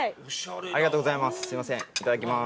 ありがとうございます。